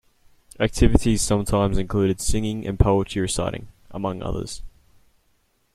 Activities sometimes included singing and poetry reciting, among others.